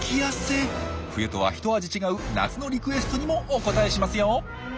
冬とは一味違う夏のリクエストにもお応えしますよ！